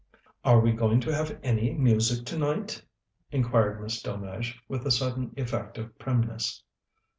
"Are we going to have any music tonight?" inquired Miss Delmege, with a sudden effect of primness.